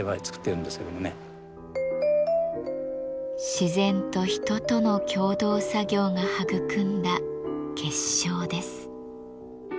自然と人との共同作業が育んだ結晶です。